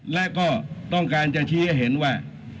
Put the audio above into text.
และก็ต้องการจะชี้ให้เห็นว่า